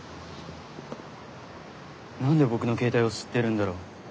何で僕の携帯を知ってるんだろう。